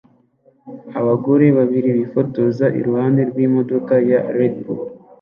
Abagore babiri bifotoza iruhande rw'imodoka ya Redbull